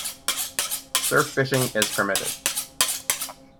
Surf fishing is permitted.